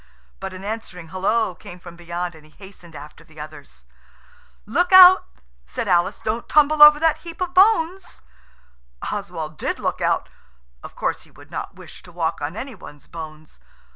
But an answering hullo came from beyond, and he hastened after the others. "Look out," said Alice; "don't tumble over that heap of bones." Oswald did look out–of course, he would not wish to walk on any one's bones.